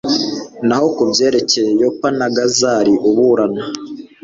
naho ku byerekeye yope na gazara uburana